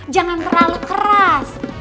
jangan terlalu keras